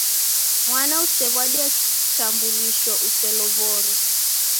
Mwana usew'adie kitambulisho uselow'oro.